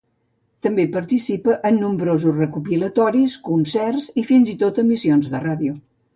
També participa en nombrosos recopilatoris, concerts i fins i tot emissions de ràdio.